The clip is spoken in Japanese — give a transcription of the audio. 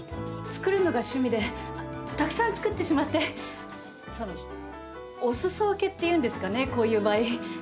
作るのが趣味でたくさん作ってしまってそのお裾分けっていうんですかねこういう場合。